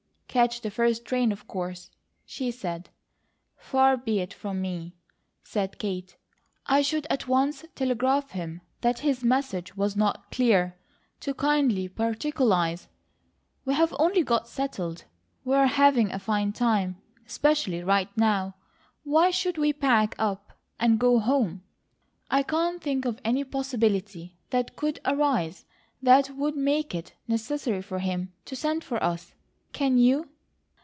"Catch the first train, of course," she said. "Far be it from me," said Kate. "I should at once telegraph him that his message was not clear, to kindly particularize. We've only got settled. We're having a fine time; especially right now. Why should we pack up and go home? I can't think of any possibility that could arise that would make it necessary for him to send for us. Can you?"